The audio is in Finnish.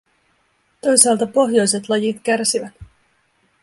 Toisaalta pohjoiset lajit kärsivät.